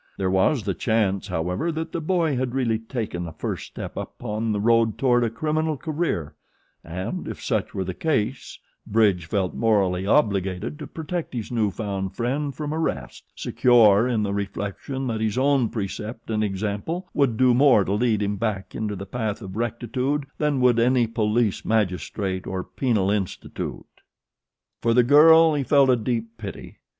There was the chance, however, that the boy had really taken the first step upon the road toward a criminal career, and if such were the case Bridge felt morally obligated to protect his new found friend from arrest, secure in the reflection that his own precept and example would do more to lead him back into the path of rectitude than would any police magistrate or penal institute. For the girl he felt a deep pity.